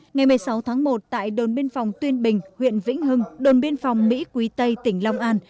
ngày một mươi sáu tháng một tại đồn biên phòng tuyên bình huyện vĩnh hưng đồn biên phòng mỹ quý tây tỉnh long an